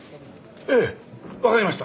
ええわかりました。